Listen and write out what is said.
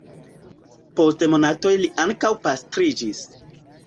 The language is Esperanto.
Post monatoj li ankaŭ pastriĝis.